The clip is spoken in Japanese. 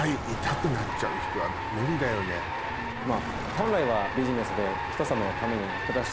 本来は。